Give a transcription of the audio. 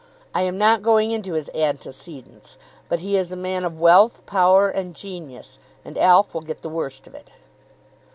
I am not going into his antecedents. But he is a man of wealth, power, and genius, and Alf will get the worst of it."